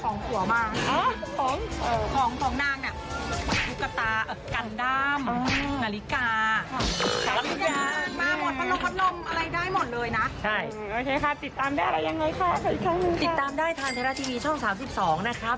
โอ้เป็นไหมคะสีสันสุดใสมาอุ้ย